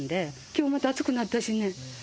きょうまた暑くなったしね。